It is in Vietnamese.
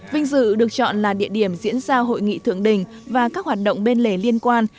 vinh dự được chọn là địa điểm diễn ra hội nghị thượng đỉnh và các hoạt động bên lề liên quan